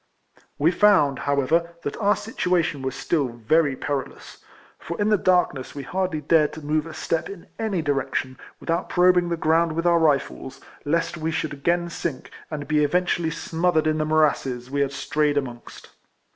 We found, however, that our situation was still very perilous; for in the darkness we hardly dared to move a step in any direction, with out probing the ground with our rifles, lest we should again sink, and be eventually smothered in the morasses we had strayed amongst.